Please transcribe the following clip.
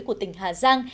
của tỉnh hà giang